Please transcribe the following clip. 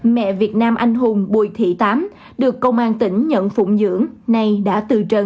mẹ việt nam anh hùng bùi thị tám được công an tỉnh nhận phụng dưỡng nay đã từ trần